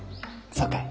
そうかえ？